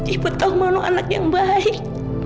ibu tahu mana anak yang baik